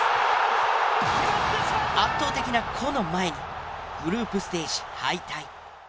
圧倒的な「個」の前にグループステージ敗退。